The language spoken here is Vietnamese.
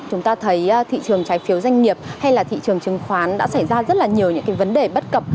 chúng ta thấy thị trường trái phiếu doanh nghiệp hay là thị trường chứng khoán đã xảy ra rất là nhiều những cái vấn đề bất cập